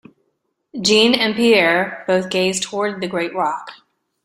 Jeanne and Pierre both gazed toward the great rock.